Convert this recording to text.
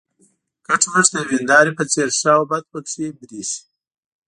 کټ مټ د یوې هینداره په څېر ښه او بد پکې برېښي.